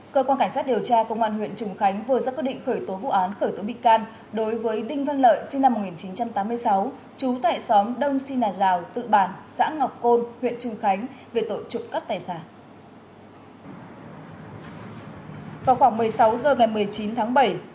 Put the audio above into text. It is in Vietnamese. cơ quan cảnh sát điều tra công an huyện trùng khánh vừa ra quyết định khởi tố vụ án khởi tố bị can đối với đinh văn lợi sinh năm một nghìn chín trăm tám mươi sáu trú tại xóm đông xin giào tự bản xã ngọc côn huyện trùng khánh về tội trộm cắp tài sản